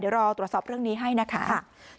เดี๋ยวรอตรวจสอบเรื่องนี้ให้นะคะ